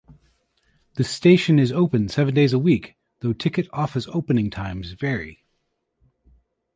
The station is open seven days a week, though ticket office opening times vary.